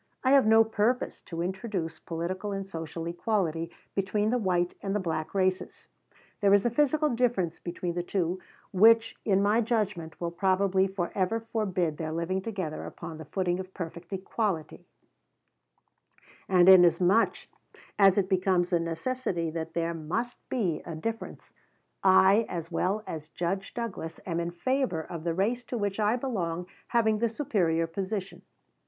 I have no purpose to introduce political and social equality between the white and the black races. There is a physical difference between the two which, in my judgment, will probably forever forbid their living together upon the footing of perfect equality; and, inasmuch as it becomes a necessity that there must be a difference, I as well as Judge Douglas am in favor of the race to which I belong having the superior position.